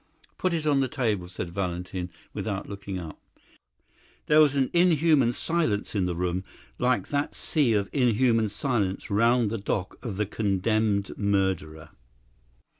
"Put it on the table," said Valentin, without looking up. There was an inhuman silence in the room, like that sea of inhuman silence round the dock of the condemned murderer.